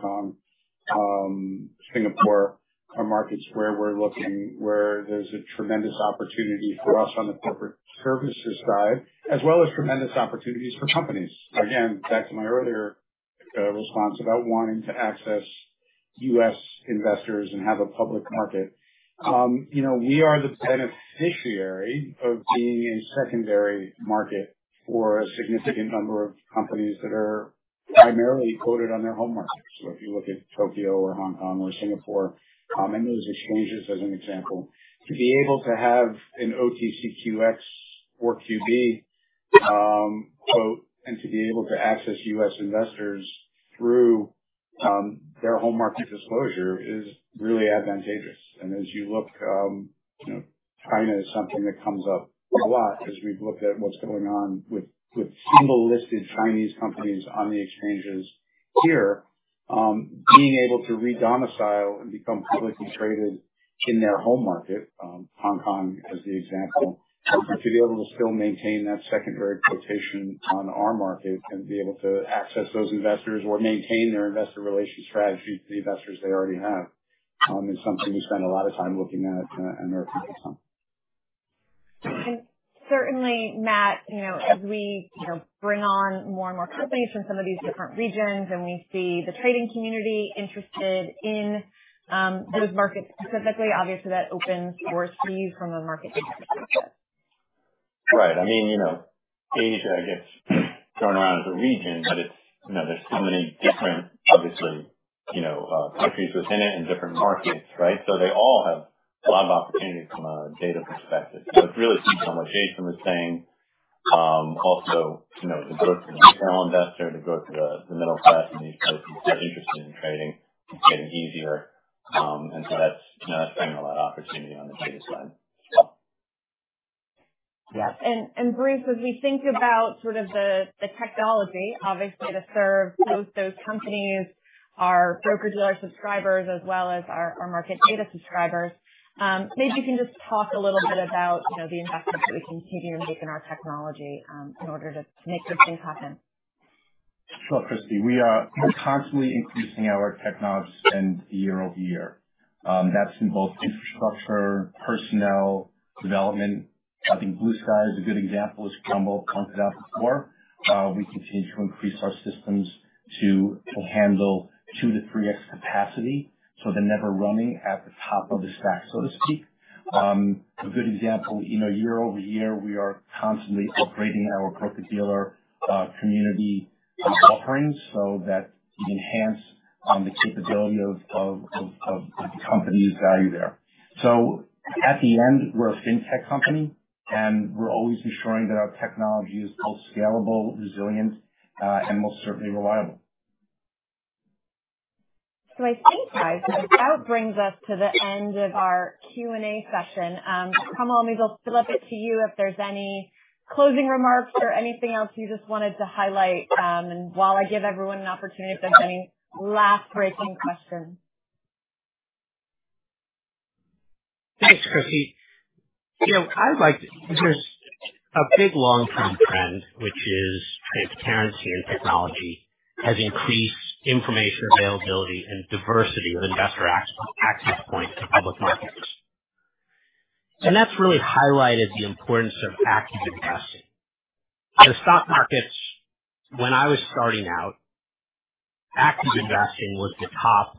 S3: Kong, Singapore, are markets where we're looking, where there's a tremendous opportunity for us on the corporate services side, as well as tremendous opportunities for companies. Again, back to my earlier response about wanting to access U.S. investors and have a public market. You know, we are the beneficiary of being a secondary market for a significant number of companies that are primarily quoted on their home markets. If you look at Tokyo or Hong Kong or Singapore, and those exchanges as an example, to be able to have an OTCQX or OTCQB quote, and to be able to access U.S. investors through their home market disclosure is really advantageous. As you look, you know, China is something that comes up a lot as we've looked at what's going on with single-listed Chinese companies on the exchanges here. Being able to redomicile and become publicly traded in their home market, Hong Kong as the example, but to be able to still maintain that secondary quotation on our market and be able to access those investors or maintain their investor relations strategy to the investors they already have is something we spend a lot of time looking at, and we're focused on.
S1: Certainly, Matt, you know, as we, you know, bring on more and more companies from some of these different regions and we see the trading community interested in those markets specifically, obviously that opens doors for you from a market perspective.
S5: Right. I mean, you know, Asia, I guess, thrown around as a region, but it's, you know, there's so many different obviously, you know, countries within it and different markets, right? They all have a lot of opportunity from a data perspective. It's really seeing what Jason was saying. Also, you know, to go to the retail investor, to go to the middle class and these folks who are interested in trading, it's getting easier. That's, you know, expanding a lot of opportunity on the data side.
S3: Yes.
S1: Bruce, as we think about sort of the technology obviously to serve both those companies, our broker-dealer subscribers, as well as our market data subscribers, maybe you can just talk a little bit about, you know, the investments that we continue to make in our technology, in order to make these things happen.
S9: Sure, Kristie. We are constantly increasing our technology spend year-over-year. That's in both infrastructure, personnel, development. I think Blue Sky is a good example, as Cromwell Coulson pointed out before. We continue to increase our systems to handle 2-3x capacity, so they're never running at the top of the stack, so to speak. A good example, you know, year-over-year, we are constantly upgrading our broker-dealer community offerings so that we enhance the capability of the company's value there. At the end, we're a fintech company, and we're always ensuring that our technology is both scalable, resilient, and most certainly reliable.
S1: I think, guys, that brings us to the end of our Q&A session. Cromwell Coulson, maybe I'll flip it to you if there's any closing remarks or anything else you just wanted to highlight, while I give everyone an opportunity, if there's any last breaking questions.
S2: Thanks, Kristie. You know, there's a big long-term trend, which is transparency in technology has increased information availability and diversity of investor access points to public markets. That's really highlighted the importance of active investing. The stock markets when I was starting out, active investing was the top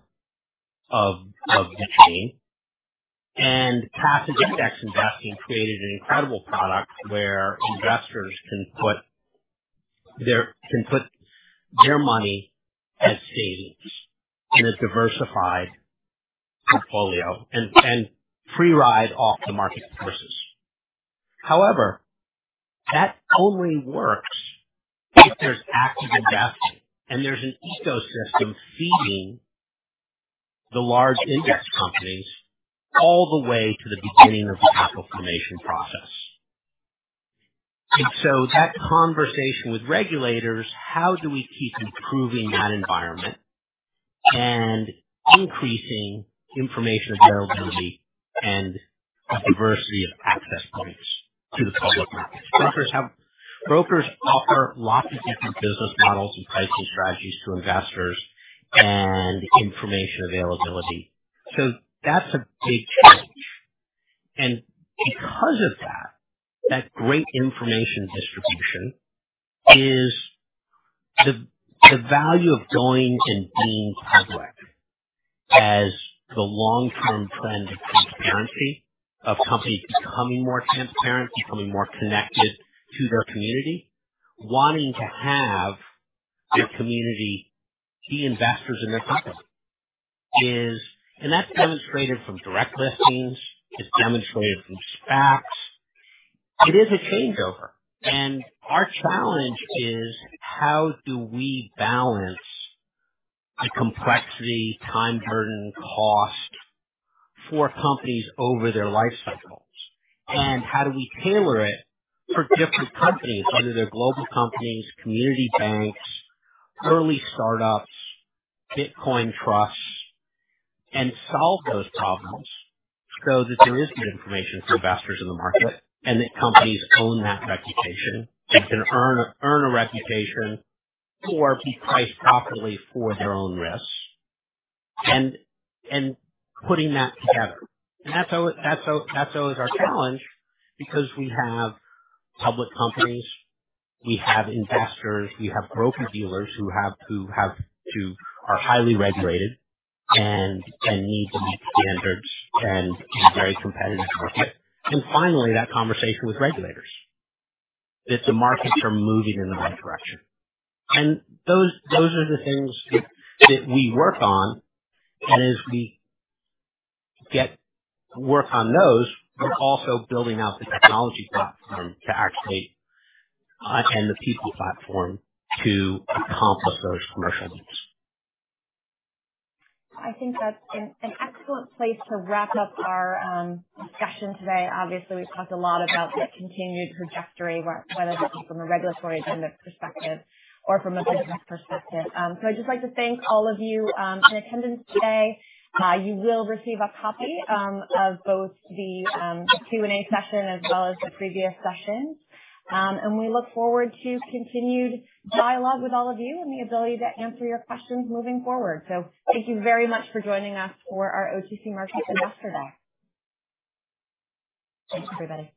S2: of the chain. Passive index investing created an incredible product where investors can put their money at risk in a diversified portfolio and free ride off the market forces. However, that only works if there's active investing and there's an ecosystem feeding the large index companies all the way to the beginning of the capital formation process. That conversation with regulators, how do we keep improving that environment and increasing information availability and a diversity of access points to the public markets? Brokers offer lots of different business models and pricing strategies to investors and information availability. That's a big change. Because of that great information distribution is the value of going and being public as the long-term trend of transparency, of companies becoming more transparent, becoming more connected to their community, wanting to have their community be investors in their company. That's demonstrated from direct listings. It's demonstrated from SPACs. It is a changeover. Our challenge is how do we balance the complexity, time burden, cost for companies over their life cycles, and how do we tailor it for different companies, whether they're global companies, community banks, early startups, Bitcoin trusts, and solve those problems so that there is good information for investors in the market and that companies own that reputation and can earn a reputation or be priced properly for their own risks and putting that together. That's always our challenge because we have public companies, we have investors, we have broker-dealers who are highly regulated and need to meet standards and be a very competitive market. Finally, that conversation with regulators, that the markets are moving in the right direction. Those are the things that we work on. As we get to work on those, we're also building out the technology platform to actually, and the people platform to accomplish those commercial needs.
S1: I think that's an excellent place to wrap up our discussion today. Obviously, we've talked a lot about the continued trajectory, whether that be from a regulatory agenda perspective or from a business perspective. I'd just like to thank all of you in attendance today. You will receive a copy of both the Q&A session as well as the previous sessions. We look forward to continued dialogue with all of you and the ability to answer your questions moving forward. Thank you very much for joining us for our OTC Markets Investor Day. Thanks, everybody.